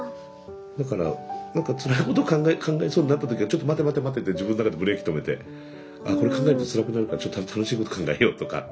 だから何かつらいこと考えそうになった時はちょっと待て待て待てって自分の中でブレーキ止めてあっこれ考えるとつらくなるからちょっと楽しいこと考えようとか。